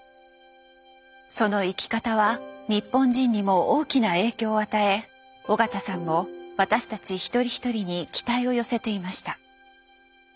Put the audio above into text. その生き方は日本人にも大きな影響を与え緒方さんも私たち一人一人に期待を寄せていました。